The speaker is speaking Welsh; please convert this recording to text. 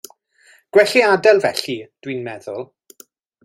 Gwell ei adael felly, dw i'n meddwl.